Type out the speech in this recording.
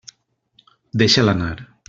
Deixa'l anar.